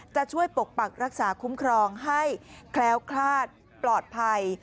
จะช่วยปกปักรักษาคุ้มครองให้แคล้วคลาดปลอดภัย